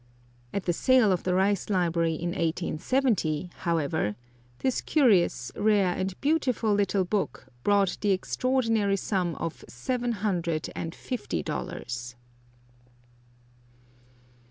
At the sale of the Rice library in 1870, however, this curious, rare, and beautiful little book brought the extraordinary sum of seven hundred and fifty dollars!